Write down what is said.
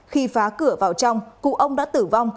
khi phá cửa vào trong cụ ông đã tử vong